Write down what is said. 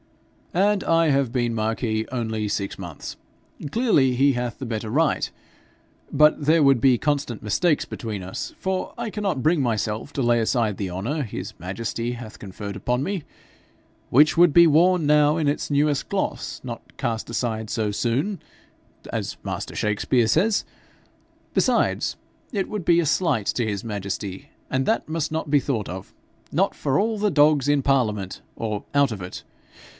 'And I have been marquis only six months! Clearly he hath the better right . But there would be constant mistakes between us, for I cannot bring myself to lay aside the honour his majesty hath conferred upon me, "which would be worn now in its newest gloss, not cast aside so soon," as master Shakspere says. Besides, it would be a slight to his majesty, and that must not be thought of not for all the dogs in parliament or out of it.